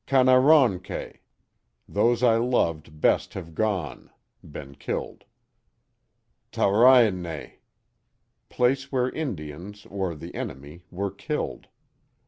Ka na ron que — Those I loved best have gone (been killed). Tow ire en ne — Place where Indians (or the enemy) were killed.